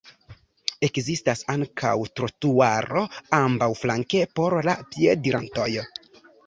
Ekzistas ankaŭ trotuaro ambaŭflanke por la piedirantoj.